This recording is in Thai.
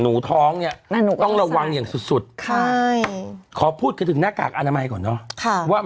ท้องเนี่ยต้องระวังอย่างสุดขอพูดกันถึงหน้ากากอนามัยก่อนเนอะว่า